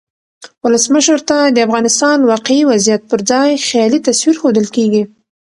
ولسمشر ته د افغانستان واقعي وضعیت پرځای خیالي تصویر ښودل کیږي.